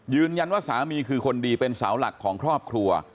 ยืนยันว่าสามีคือคนดีเป็นสาวหลักของครอบครัว